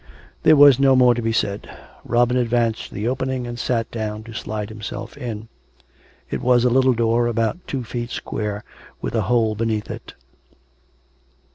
There was no more to be said. Robin advanced to the opening, and sat down to slide himself in. It was a little door about two feet square, with a hole beneath it.